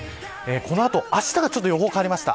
この後、あしたが予報変わりました。